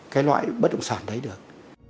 cái loại bất động sản đấy được